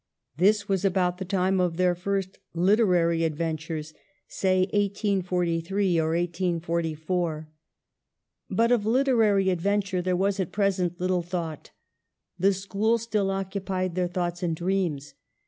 This was about the time of their first literary adventures, say 1843 or 1844." 1 1 Pictures of the Past. 152 EMILY BRONTE. But of literary adventure there was at present little thought. The school still occupied their thoughts and dreams.